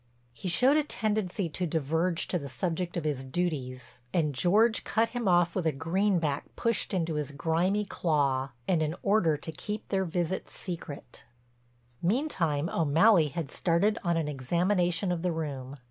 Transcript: He showed a tendency to diverge to the subject of his duties and George cut him off with a greenback pushed into his grimy claw and an order to keep their visit secret. Meantime O'Malley had started on an examination of the room.